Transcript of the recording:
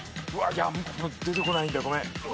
出てこないんだよごめん。